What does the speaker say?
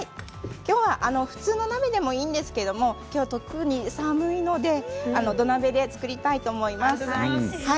今日は普通の鍋でもいいんですが今日は特に寒いので土鍋で作りたいと思います。